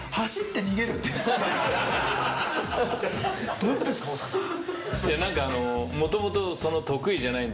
どういうことですか大沢さん。